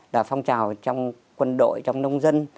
là phong trào trong quân đội trong nông dân